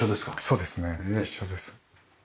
そうですねみんな一緒です。